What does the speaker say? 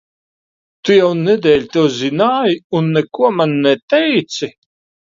Tu jau nedēļu to zināji, un neko man neteici?